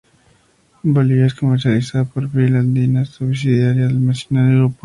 En Bolivia es comercializada por Pil Andina, subsidiaria del mencionado grupo.